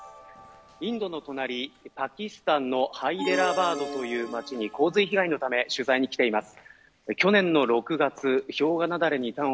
インドの隣、パキスタンのハイデラバードという街に洪水被害のため取材に来ています。